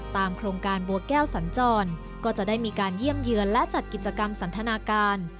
โครงการบัวแก้วสัญจรก็จะได้มีการเยี่ยมเยือนและจัดกิจกรรมสันทนาการ